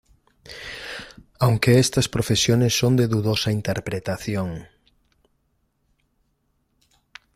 Aunque estas profesiones son de dudosa interpretación.